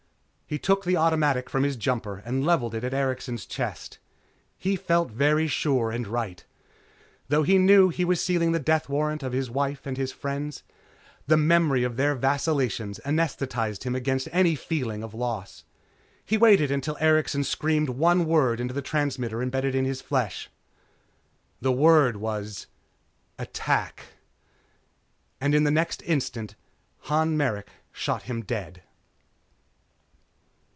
He took the automatic from his jumper and leveled it at Erikson's chest. He felt very sure and right. Though he knew that he was sealing the death warrant of his wife and his friends, the memory of their vacillations anesthetized him against any feeling of loss. He waited until Erikson screamed one word into the transmitter imbedded in his flesh The word was: "Attack!" and in the next instant, Han Merrick shot him dead.